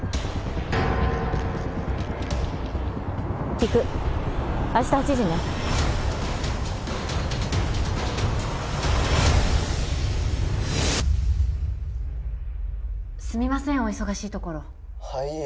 聞く明日８時ねすみませんお忙しいところいいえ